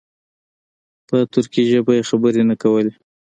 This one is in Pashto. په ترکي ژبه یې خبرې نه کولې.